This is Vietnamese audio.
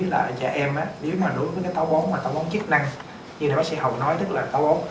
là trả em á nếu mà được cái có bóng mà tổ chức năng thì nó xíu hầu nói thức là có một van lý cho